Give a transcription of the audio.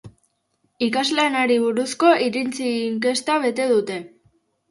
Irakaslanari buruzko iritzi-inkesta bete dute.